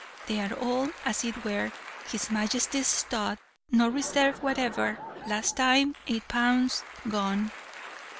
They are all, as it were, his Majesty's stud no reserve whatever last time, eight pounds gone.'